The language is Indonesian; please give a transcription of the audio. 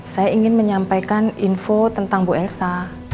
saya ingin menyampaikan info tentang bu elsa